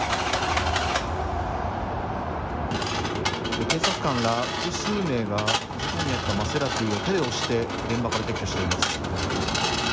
警察官ら複数名が事故に遭ったマセラティを手で押して現場から撤去しています。